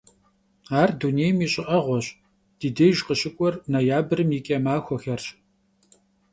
Ar dunêym şiş'ı'eğueş, di dêjj khışık'uer noyabrım yi ç'e maxuexerş.